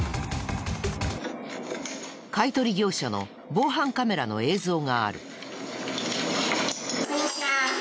買取業者の防犯カメラの映像がある。